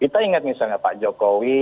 kita ingat misalnya pak jokowi